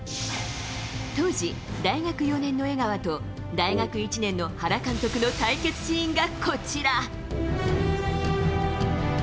当時、大学４年の江川と大学１年の原監督の対決シーンが、こちら。